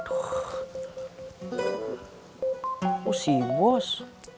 oh si bos